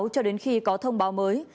cho đến khi có thông báo mới